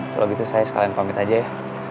kalau gitu saya sekalian pamit aja ya